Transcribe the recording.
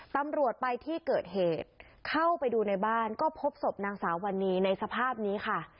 ตำรวจไปที่เกิดเหตุเข้าไปดูในบ้านก็พบศพนางสาววันนี้ในสภาพนี้ค่ะ